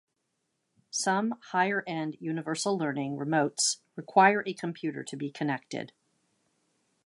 Some higher end universal learning remotes require a computer to be connected.